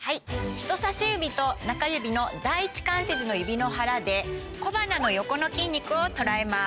人さし指と中指の第１関節の指の腹で。を捉えます